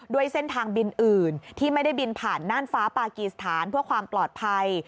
ด้วยเส้นทางบินอื่นที่ไม่ได้บินผ่านน่านฟ้าปากีสถานเพื่อความปลอดภัย